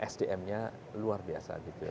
sdm nya luar biasa di bumn